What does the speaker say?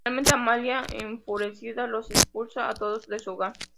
Finalmente, Amalia, enfurecida, los expulsa a todos de su hogar.